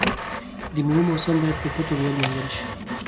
د میوو موسم باید په ښه توګه ولمانځل شي.